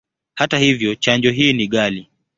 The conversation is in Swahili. Hata hivyo, chanjo hii ni ghali.